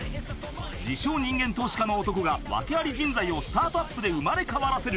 ［自称人間投資家の男が訳あり人材をスタートアップで生まれ変わらせる］